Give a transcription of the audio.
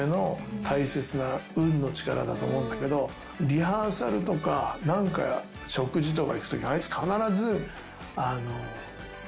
リハーサルとか食事とか行くときあいつ必ず。